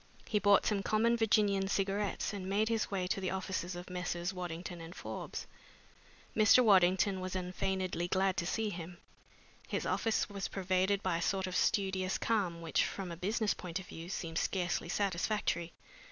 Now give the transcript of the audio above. He bought some common Virginian cigarettes and made his way to the offices of Messrs. Waddington and Forbes. Mr. Waddington was unfeignedly glad to see him. His office was pervaded by a sort of studious calm which, from a business point of view, seemed scarcely satisfactory.